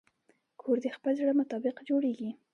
کور د خپل زړه مطابق جوړېږي.